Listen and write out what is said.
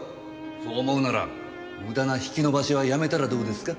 そう思うなら無駄な引き延ばしはやめたらどうですか？